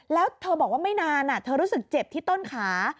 แล้วเธอบอกว่าไม่นานเธอรู้สึกเจ็บที่ต้นขา